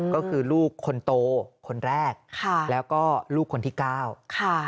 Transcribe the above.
ก็คือลูกคนโตคนแรกค่ะแล้วก็ลูกคนที่เก้าค่ะ